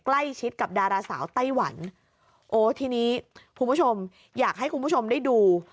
ใกล้ชิดกับดาราสาวไต้หวันโอ้ทีนี้คุณผู้ชมอยากให้คุณผู้ชมได้ดู